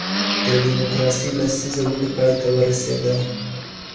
د ډیموکراسۍ لسیزه ولې پای ته ورسېده؟